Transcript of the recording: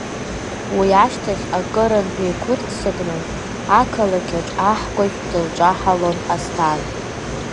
Уи ашьҭахь акырынтә еиқәырццакны ақалақьаҿ аҳкәажә дылҿаҳалон Асҭан.